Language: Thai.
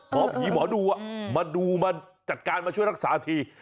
เพราะผีหมอดูอะมาดูกัจการมาช่วยรักษาหน้าที่